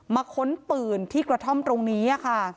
มาค้นปืนที่กระท่อมตรงนี้